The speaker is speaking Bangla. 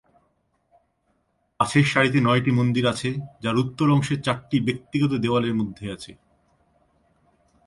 কাছের সারিতে নয়টি মন্দির আছে যার উত্তর অংশের চারটি ব্যক্তিগত দেয়ালের মধ্যে আছে।